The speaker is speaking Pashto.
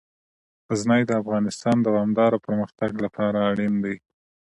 غزني د افغانستان د دوامداره پرمختګ لپاره اړین دي.